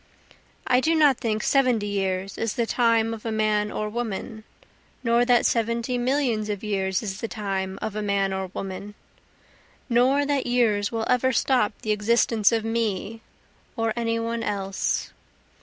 I do not think seventy years is the time of a man or woman, Nor that seventy millions of years is the time of a man or woman, Nor that years will ever stop the existence of me, or any one else.